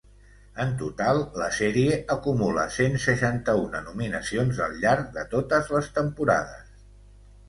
En total, la sèrie acumula cent seixanta-una nominacions al llarg de totes les temporades.